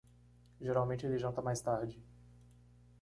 Geralmente ele janta mais tarde.